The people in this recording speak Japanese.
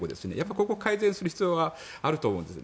ここを改善する必要があると思うんですね。